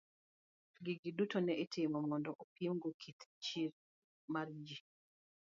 Gigi duto ne itimo mondo opim go kit chir mar gi.